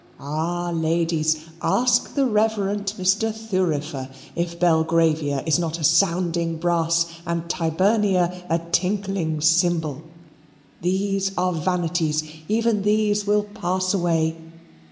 Ah, ladies! ask the Reverend Mr. Thurifer if Belgravia is not a sounding brass and Tyburnia a tinkling cymbal. These are vanities. Even these will pass away.